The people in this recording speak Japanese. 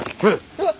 うわっ！